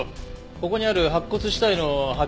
ここにある白骨死体の発見